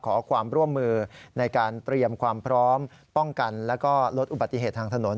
ขอความร่วมมือในการเตรียมความพร้อมป้องกันแล้วก็ลดอุบัติเหตุทางถนน